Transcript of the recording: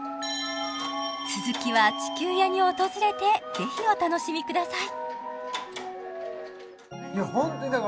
続きは地球屋に訪れてぜひお楽しみください